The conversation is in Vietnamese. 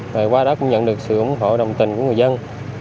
rồi qua đó cũng nhận được sự ủng hộ đồng tình của người dân